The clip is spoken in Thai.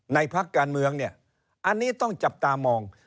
พักการเมืองเนี่ยอันนี้ต้องจับตามอง